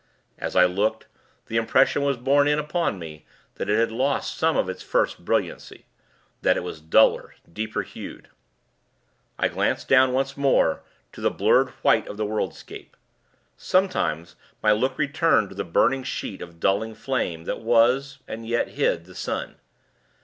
As I looked, the impression was borne in upon me, that it had lost some of its first brilliancy that it was duller, deeper hued. I glanced down, once more, to the blurred white of the worldscape. Sometimes, my look returned to the burning sheet of dulling flame, that was, and yet hid, the sun.